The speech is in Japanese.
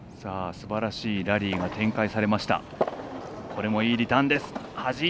すばらしいラリーが展開されました。